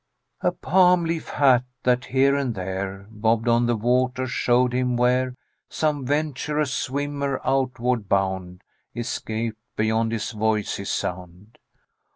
A palm leaf hat, that here and there Bobbed on the water, showed him where Some venturous swimmer outward bound Escaped beyond his voice's sound.